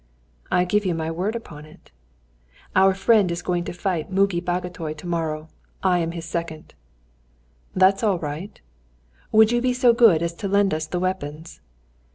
"I give you my word upon it." "Our friend is going to fight Muki Bagotay to morrow, I am his second." "That's all right." "Would you be so good as to lend us the weapons?"